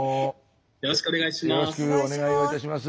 よろしくお願いします。